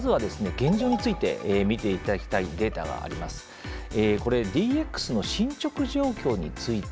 現状について見ていただきたいデータがあります。